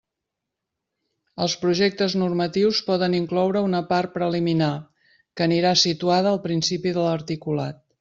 Els projectes normatius poden incloure una part preliminar, que anirà situada al principi de l'articulat.